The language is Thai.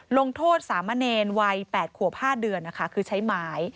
ลงโทษสามะเนรวัย๘ขวบ๕เดือนนะคะคือใช้ไม้